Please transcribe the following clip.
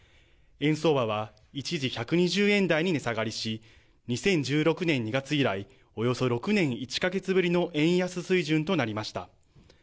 円相場は一時、１２０円台に値下がりし２０１６年２月以来、およそ６年１か月ぶりの円安水準となりました。